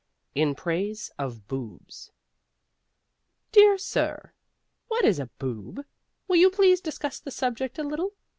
IN PRAISE OF BOOBS _Dear Sir What is a Boob? Will you please discuss the subject a little?